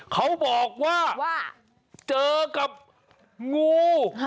เขาบอกว่าเจอกับงู